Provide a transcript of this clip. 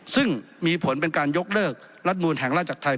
ซึ่งมีผลเป็นการยกเลิกรัฐมูลแห่งราชจักรไทย